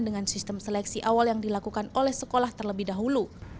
dengan sistem seleksi awal yang dilakukan oleh sekolah terlebih dahulu